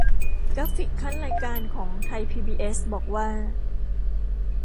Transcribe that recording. กราฟิกคั่นรายการของไทยพีบีเอส บอกว่า